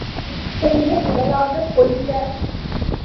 முத்தையே முதலாகக் கொள்க!